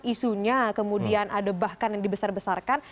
isunya kemudian ada bahkan yang dibesar besarkan